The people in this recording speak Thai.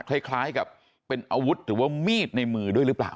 คล้ายกับเป็นอาวุธหรือว่ามีดในมือด้วยหรือเปล่า